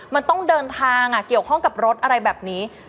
มันต้องเดินทางเกี่ยวข้องกับรถอะไรแบบนี้